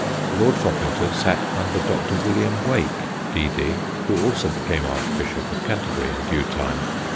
Lord Foppington sat under Dr. William Wake, D.D., who also. became Archbishop of Canterbury in due time.